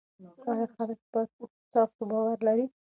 آیا خلک په تاسو باور لري؟